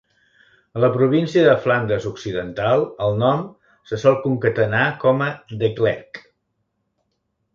A la província de Flandes Occidental, el nom se sol concatenar com a Declerck.